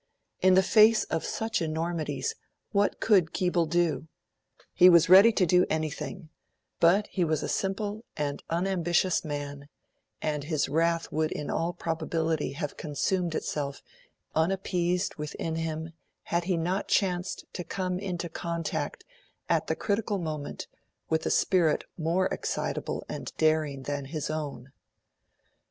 In the face of such enormities what could Keble do? He was ready to do anything, but he was a simple and an unambitious man, and his wrath would in all probability have consumed itself unappeased within him had he not chanced to come into contact, at the critical moment, with a spirit more excitable and daring than his own.